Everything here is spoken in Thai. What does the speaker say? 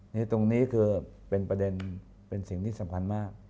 นี่ตรงนี้คือเป็นประเด็นเป็นสิ่งที่สำคัญมาก